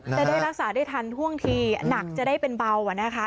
จะได้รักษาได้ทันท่วงทีหนักจะได้เป็นเบานะคะ